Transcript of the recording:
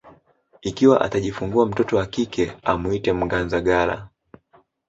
ikiwa atajifungua mtoto wa kike amwite Mnganzagala